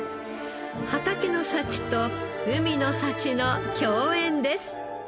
畑の幸と海の幸の競演です。